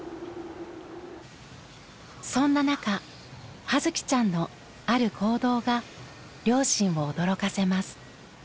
そんな中葉月ちゃんのある行動が両親を驚かせます。